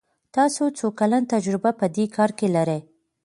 تاسو څو کلن تجربه په دي کار کې لری ؟